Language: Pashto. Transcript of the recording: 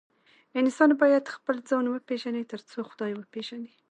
انسان بايد خپل ځان وپيژني تر څو خداي وپيژني